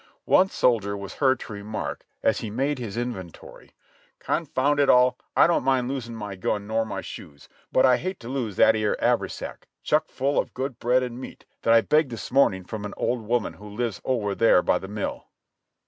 One soldier was heard to remark as he made his inventory, "Confound it all, I don't mind losing my gun nor my shoes, but 1 hate to lose that 'ere haversack chock full of good bread and meat that I begged this morning from an old woman who lives over thar by the mill."